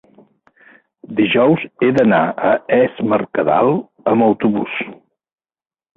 Dijous he d'anar a Es Mercadal amb autobús.